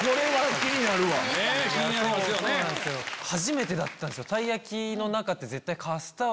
初めてだったんですよ。